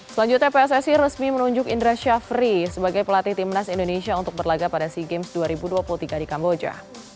selanjutnya pssi resmi menunjuk indra syafri sebagai pelatih timnas indonesia untuk berlagak pada sea games dua ribu dua puluh tiga di kamboja